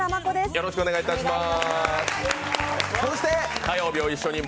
よろしくお願いします。